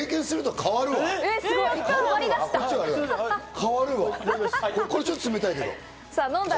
こっちはちょっと冷たいけど。